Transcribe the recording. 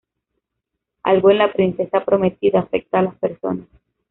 Algo en La princesa prometida afecta a las personas"".